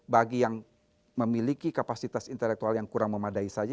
bagi yang memiliki kapasitas intelektual yang kurang memadai saja